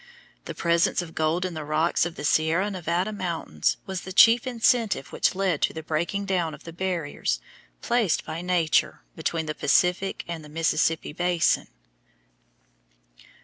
The presence of gold in the rocks of the Sierra Nevada mountains was the chief incentive which led to the breaking down of the barriers placed by Nature between the Pacific and the Mississippi basin.